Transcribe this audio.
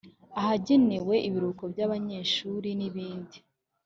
ahagenewe ibiruhuko by abanyeshuli n ibindi